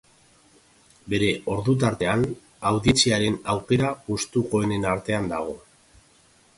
Bere ordu-tartean, audientziaren aukera gustukoenen artean dago.